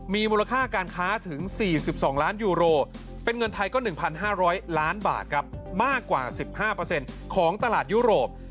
มีมูลค่าการค้าถึง๔๒ล้านยูโรเป็นเงินไทยก็๑๕๐๐ล้านบาทครับมากกว่า๑๕ของตลาดยุโรป